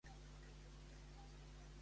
De què es tracta Tages?